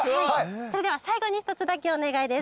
それでは最後に１つだけお願いです。